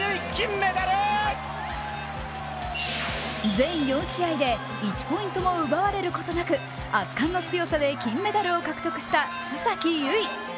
全４試合で１ポイントも奪われることなく圧巻の強さで金メダルを獲得した須崎優衣。